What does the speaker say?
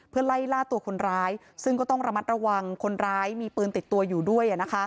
เพื่อไล่ล่าตัวคนร้ายซึ่งก็ต้องระมัดระวังคนร้ายมีปืนติดตัวอยู่ด้วย